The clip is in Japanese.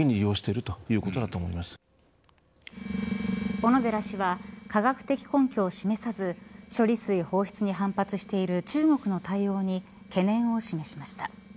小野寺氏は科学的根拠を示さず処理水放出に反発している中国の対応に懸念を示しました。